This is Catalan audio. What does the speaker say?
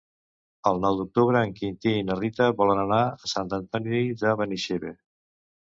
El nou d'octubre en Quintí i na Rita volen anar a Sant Antoni de Benaixeve.